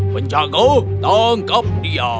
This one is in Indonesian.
penjaga tangkap dia